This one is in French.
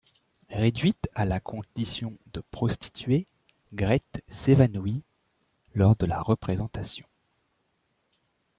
Réduite à la condition de prostituée, Grete s'évanouit lors de la représentation.